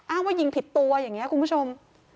อ้างว่ายิงผิดตัวอย่างนี้คุณผู้ชม